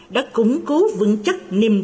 đã củng cố vững chắc niềm vững